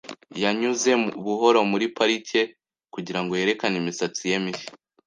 Yanyuze buhoro muri parike kugirango yerekane imisatsi ye mishya .